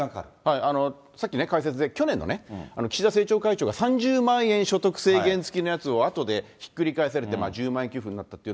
さっきね、解説で、去年のね、岸田政調会長が３０万円所得制限付きのやつをあとでひっくり返されて１０万円給付になったという。